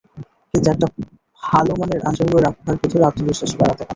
কিন্তু একটা ভালো মানের আন্ডারওয়্যার আপনার ভেতরে আত্মবিশ্বাস বাড়াতে কাজ করে।